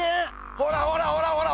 ほらほらほらほら！